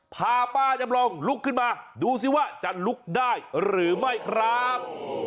พาป้าจำลองลุกขึ้นมาดูสิว่าจะลุกได้หรือไม่ครับ